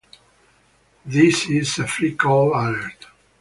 This is a free call alert.